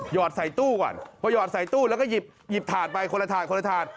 อดใส่ตู้ก่อนพอหยอดใส่ตู้แล้วก็หยิบถาดไปคนละถาดคนละถาด